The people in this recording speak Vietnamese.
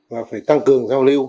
và phải tăng cường giao lưu